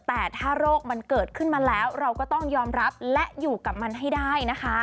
แต่ถ้าโรคมันเกิดขึ้นมาแล้วเราก็ต้องยอมรับและอยู่กับมันให้ได้นะคะ